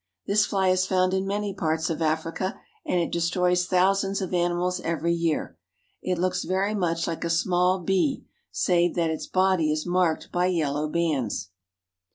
This fly is found in many parts of Africa, B. and it destroys thousands of animals every year. It looks ^ very much like a small bee, save that its body is marked by I jrellow bands.